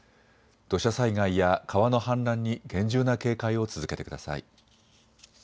土砂災害や川の氾濫に厳重な警戒を続けてください。